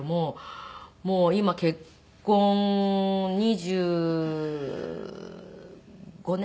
もう今結婚２５年？